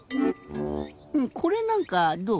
これなんかどう？